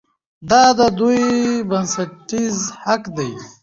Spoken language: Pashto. دا د دوی بنسټیز حق دی.